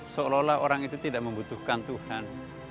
seolah olah orang itu tidak membutuhkan tuhan